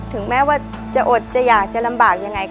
ถึงแม้ว่าจะอดจะอยากจะลำบากยังไง